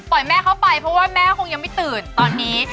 ปล่อยแม่เขาไปเพราะแม่เขาคงยังไม่ตื่นตอนนี้